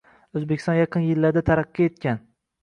Oʻzbekiston yaqin yillarda taraqqiy etgan